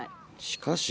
しかし。